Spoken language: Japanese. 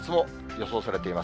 予想